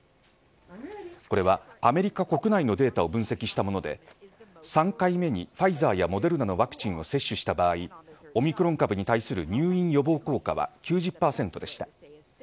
これはアメリカ国内のデータを分析したもので３回目にファイザーやモデルナのワクチンを接種した場合オミクロン株に対する入院予防効果は９０％でした。